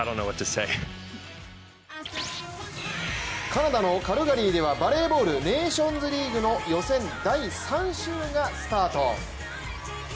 カナダのカルガリーではバレーボール、ネーションズリーグの予選代３週がスタート。